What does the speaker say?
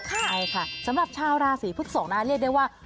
ใช่ค่ะสำหรับชาวราศีพฤกษกเรียกได้ว่า